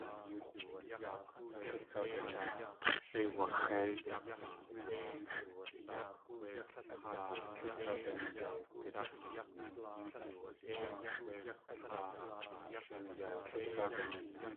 X̲ʼeiwax̲éi.